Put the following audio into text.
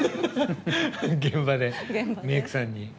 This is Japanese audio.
現場で、メークさんに。